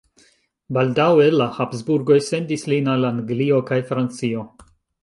Baldaŭe la Habsburgoj sendis lin al Anglio kaj Francio.